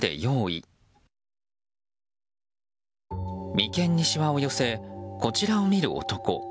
眉間にしわを寄せこちらを見る男。